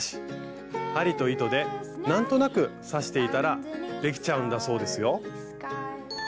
針と糸で何となく刺していたらできちゃうんだそうですよ。